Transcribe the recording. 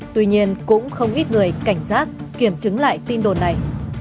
tuy nhiên cũng không ít người cảnh giác kiểm chứng lại tin đồn này